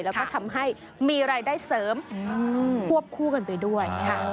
แล้วก็ทำให้มีรายได้เสริมควบคู่กันไปด้วย